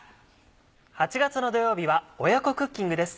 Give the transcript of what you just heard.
８月の土曜日は親子クッキングです。